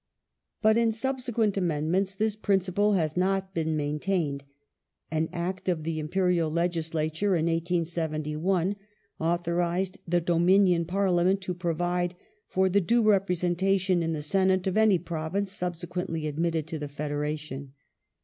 But in subsequent amendments this principle has not been maintained. An Act of the Imperial Legislature, in 1871, authorized the Dominion Parliament to provide for the due repre sentation in the Senate of any Provinces subsequently admitted to the Federation.